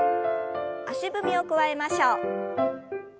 足踏みを加えましょう。